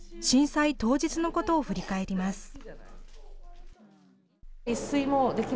震災当日のことを振り返ります。